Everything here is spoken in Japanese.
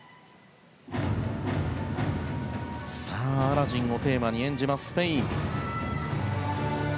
「アラジン」をテーマに演じますスペイン。